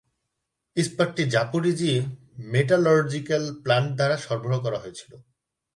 ইস্পাতটি Zaporizhzhia metallurgical plant দ্বারা সরবরাহ করা হয়েছিল।